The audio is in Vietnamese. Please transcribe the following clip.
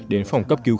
đến phòng cấp cứu này